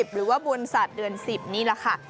หรือว่าบวนสัตว์เดือน๑๐นี่แหละค่ะ